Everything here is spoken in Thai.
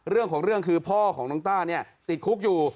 เรื่องของเรื่องคือพ่อของน้องต้าเนี่ยติดคุกอยู่